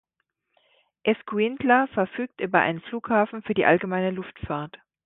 Escuintla verfügt über einen Flughafen für die Allgemeine Luftfahrt.